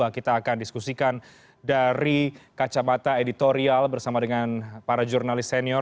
kita akan diskusikan dari kacamata editorial bersama dengan para jurnalis senior